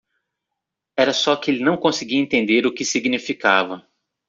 Era só que ele não conseguia entender o que significava.